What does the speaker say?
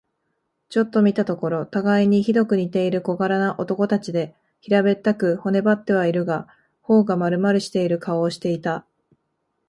ちょっと見たところ、たがいにひどく似ている小柄な男たちで、平べったく、骨ばってはいるが、頬がまるまるしている顔をしていた。